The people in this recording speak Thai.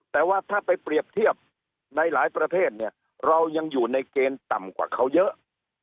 แต่ว่าถ้าไปเปรียบเทียบในหลายประเทศเนี่ยเรายังอยู่ในเกณฑ์ต่ำกว่าเขาเยอะ